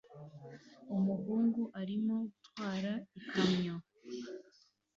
Umuhungu arimo gutwara ikamyo